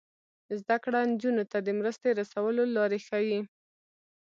زده کړه نجونو ته د مرستې رسولو لارې ښيي.